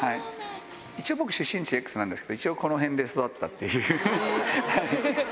一応僕、出身地Ｘなんですけど、この辺で育ったっていう。